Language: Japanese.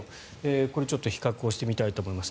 これを比較してみたいと思います。